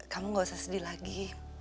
kamu gak usah sedih lagi